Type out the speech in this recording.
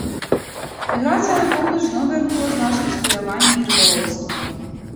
Міграцыя на поўнач зноў вярнула значнасць палявання і рыбалоўства.